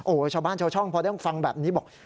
โอ้โหชาวบ้านชาวช่องพอได้ฟังแบบนี้บอก